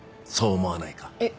えっ？